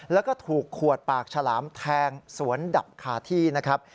แล้วก็ถูกขวดปากฉลามแทงสวนดับคาที่นะครับ